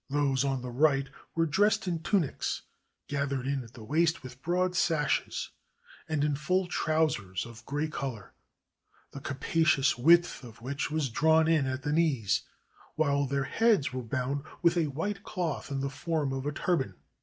Those on the right were dressed in tunics, gathered in at the waist with broad sashes, and in full trousers of a gray color, the capacious width of which was drawn in at the knees, while their heads were bound with a white cloth in the form of a turban.